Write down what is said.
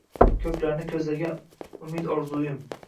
Ko‘klarni ko‘zlagan umid-orzuyim